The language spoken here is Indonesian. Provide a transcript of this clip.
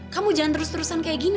kamu jangan terus terusan kayak gini